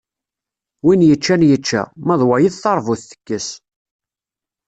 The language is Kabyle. Win yeččan yečča, ma d wayeḍ teṛbut tekkes.